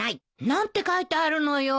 何て書いてあるのよ。